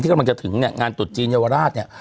ที่กำลังจะถึงงานตรุษจีนเยาวาลาศเนี่ย